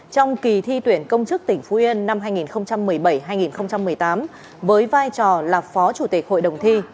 trong kỳ thi tuyển công chức tỉnh phú yên năm hai nghìn một mươi bảy hai nghìn một mươi tám với vai trò là phó chủ tịch hội đồng thi